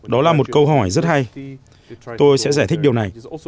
đó là một câu hỏi rất hay tôi sẽ giải thích điều này